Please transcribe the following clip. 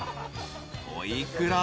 ［お幾ら？］